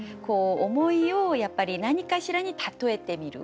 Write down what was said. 思いを何かしらに例えてみる。